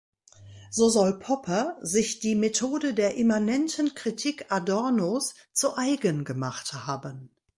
So soll Popper sich die Methode der immanenten Kritik Adornos zu eigen gemacht haben.